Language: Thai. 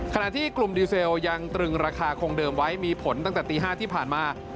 ขณะที่กลุ่มดีเซลยังตรึงราคาคงเดิมไว้มีผลตั้งแต่ตี๕ที่ผ่านมา